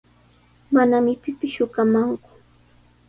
Manami pipis shuqamanku.